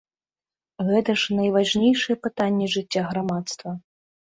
А гэта ж найважнейшае пытанне жыцця грамадства.